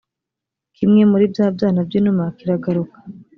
kimwe muri bya byana by’inuma kiragaruka